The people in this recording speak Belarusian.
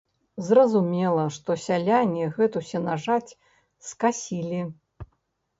Зразумела, што сяляне гэту сенажаць скасілі.